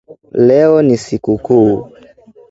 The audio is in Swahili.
Leo ni sikukuu